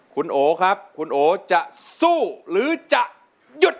คุณโอครับคุณโอจะสู้หรือจะหยุด